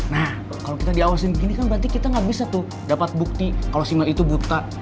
nah kalau kita diawasin begini kan berarti kita nggak bisa tuh dapat bukti kalau simal itu buta